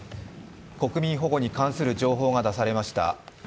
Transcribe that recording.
国民保護に関する情報が出されました。